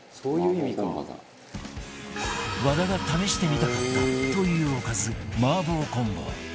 和田が試してみたかったというおかず麻婆コンボ